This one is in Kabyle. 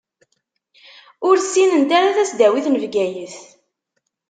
Ur ssinent ara tasdawit n Bgayet.